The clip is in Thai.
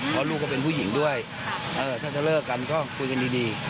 เพราะลูกก็เป็นผู้หญิงด้วยถ้าจะเลิกกันก็คุยกันดี